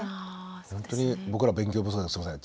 ほんとに僕ら勉強不足ですみません